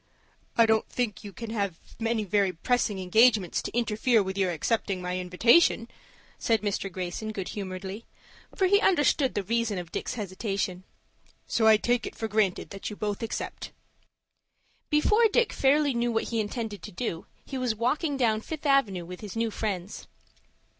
"I don't think you can have any very pressing engagements to interfere with your accepting my invitation," said Mr. Greyson, good humoredly, for he understood the reason of Dick's hesitation. "So I take it for granted that you both accept." Before Dick fairly knew what he intended to do, he was walking down Fifth Avenue with his new friends.